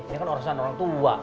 ini kan urusan orang tua